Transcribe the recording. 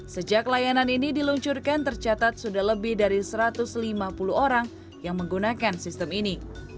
sejak layanan ini diluncurkan tercatat sudah lebih dari satu ratus lima puluh orang yang menggunakan sistem ini